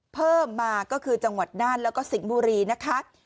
เพิ่มมาก็คือจังหวัดน่านแล้วก็สิงห์บุรีนะคะ